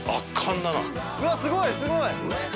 うわっすごいすごい！